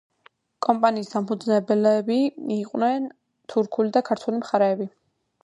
კომპანიის დამფუძნებლები იყვნენ თურქული და ქართული მხარეები.